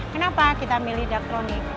kenapa kita memilih daktronics